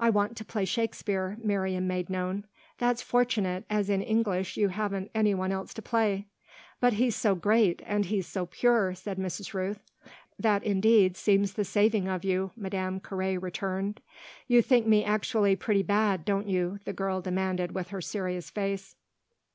I want to play Shakespeare," Miriam made known. "That's fortunate, as in English you haven't any one else to play." "But he's so great and he's so pure!" said Mrs. Rooth. "That indeed seems the saving of you," Madame Carré returned. "You think me actually pretty bad, don't you?" the girl demanded with her serious face.